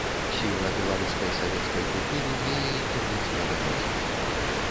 Сіла беларускай савецкай культуры ў яе інтэрнацыяналізме.